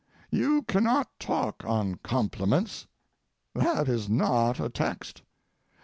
You cannot talk on compliments; that is not a text.